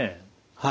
はい。